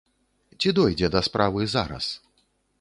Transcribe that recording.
Ці дойдзе да справы зараз?